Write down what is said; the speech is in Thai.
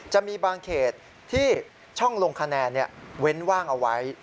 จะมีบางเขตที่ช่องลงคะแนนเว้นว่างเอาไว้